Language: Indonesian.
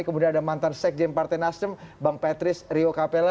kemudian ada mantan sekjen partai nasdem bang patrice rio capella